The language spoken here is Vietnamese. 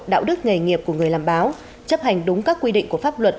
đạo đức nghề nghiệp của người làm báo chấp hành đúng các quy định của pháp luật